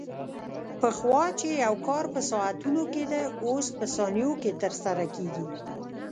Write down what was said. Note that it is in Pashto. پخوا چې یو کار په ساعتونو کې کېده، اوس په ثانیو کې ترسره کېږي.